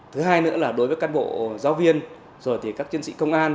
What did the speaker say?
thứ hai nữa là đối với cán bộ giáo viên rồi thì các chiến sĩ công an